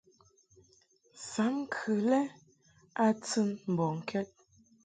Sam ŋkɨ lɛ a tɨn mbɔŋkɛd.